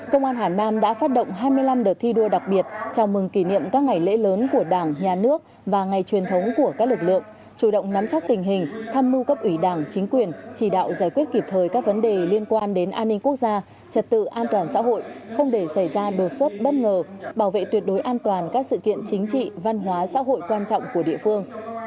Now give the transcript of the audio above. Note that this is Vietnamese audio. công an hà nam đã phát động hai mươi năm đợt thi đua đặc biệt chào mừng kỷ niệm các ngày lễ lớn của đảng nhà nước và ngày truyền thống của các lực lượng chủ động nắm chắc tình hình thăm mưu cấp ủy đảng chính quyền chỉ đạo giải quyết kịp thời các vấn đề liên quan đến an ninh quốc gia trật tự an toàn xã hội không để xảy ra đột xuất bất ngờ bảo vệ tuyệt đối an toàn các sự kiện chính trị văn hóa xã hội quan trọng của địa phương